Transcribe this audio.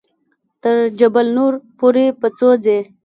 تر جبل نور پورې په څو ځې.